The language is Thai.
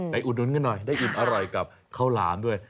อุดหนุนกันหน่อยได้อิ่มอร่อยกับข้าวหลามด้วย